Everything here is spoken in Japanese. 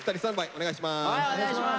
お願いします。